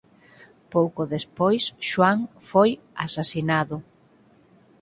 Pouco despois Xoán foi asasinado.